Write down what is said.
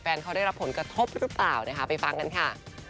เขาได้รับผลกระทบหรือเปล่านะคะไปฟังกันค่ะ